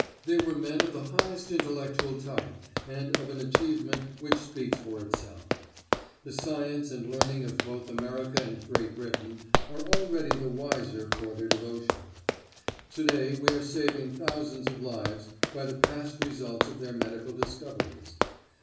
They were men of the highest intellectual type and of an achievement which speaks for itself. The science and learning of both America and Great Britain are already the wiser for their devotion. Today we are saving thousands of lives by the past results of their medical discoveries.